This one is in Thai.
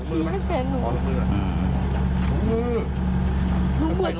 หนูจะให้เขาเซอร์ไพรส์ว่าหนูเก่ง